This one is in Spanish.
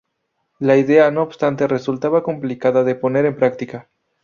La idea, no obstante, resultaba complicada de poner en práctica.